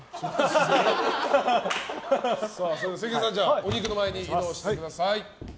それでは、関根さんお肉の前に移動してください。